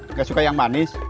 nggak suka yang manis